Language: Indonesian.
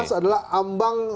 ini sebetulnya itu yang kita lihat